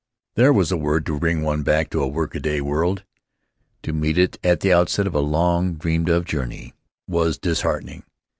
There was a word to bring one back to a workaday world. To meet it at the out' set of a long dreamed of journey was disheartening.